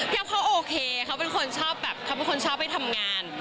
พี่อัพเขาโอเคเขาเป็นคนชอบไปทำงาน